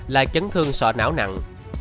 là chấn thương sọ não nặng